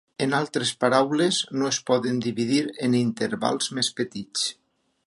En altres paraules, no es poden dividir en intervals més petits.